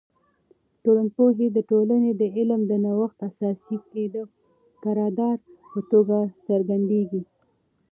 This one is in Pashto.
ټولنپوهی د ټولنې د علم د نوښت اساسي کې د کردار په توګه څرګندیږي.